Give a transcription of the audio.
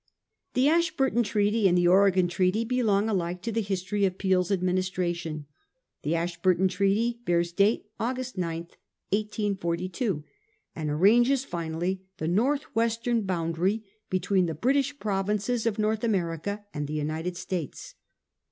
The Ashburton Treaty and the Oregon Treaty be long alike to the history of Peel's Administration. The Ashburton Treaty bears date August 9, 1842, and arranges finally the north western boundary be tween the British Provinces of North America and the United States.